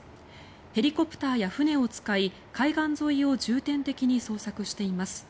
ヘリコプターや船を使い海岸沿いを重点的に捜索しています。